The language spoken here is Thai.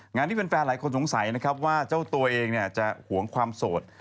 งานที่แฟนหลายคนสงสัยนะครับว่าเจ้าตัวเองจะหวงความโสด